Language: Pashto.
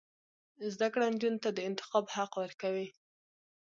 زده کړه نجونو ته د انتخاب حق ورکوي.